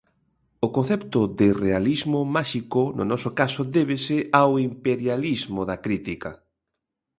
O concepto de realismo máxico no noso caso débese ao imperialismo da crítica.